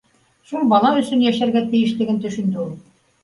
шул бала өсөн йәшәргә тейешлеген төшөндө ул